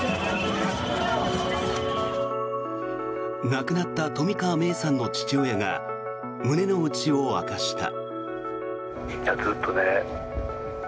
亡くなった冨川芽生さんの父親が胸の内を明かした。